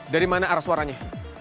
dari mana arah suaranya